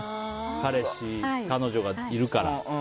彼氏、彼女がいるから。